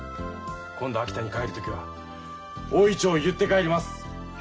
今度秋田に帰る時は大銀杏を結って帰ります。